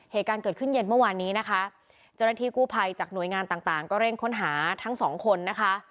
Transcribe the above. เหตุการณ์เกิดขึ้นเย็นเมื่อวานนี้นะคะเจ้าหน้าที่กู้ภัยจากหน่วยงานต่างต่างก็เร่งค้นหาทั้งสองคนนะคะ